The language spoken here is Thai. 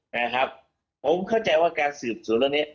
ผมเข้าใจว่าการสืบสู่เรื่องนี้